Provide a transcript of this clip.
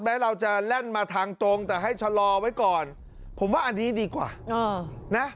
เราจะแล่นมาทางตรงแต่ให้ชะลอไว้ก่อนผมว่าอันนี้ดีกว่านะ